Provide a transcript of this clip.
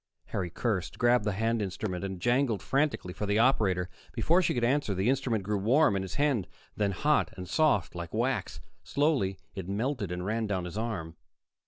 Harry cursed, grabbed the hand instrument, and jangled frantically for the operator. Before she could answer, the instrument grew warm in his hand, then hot and soft, like wax. Slowly, it melted and ran down his arm.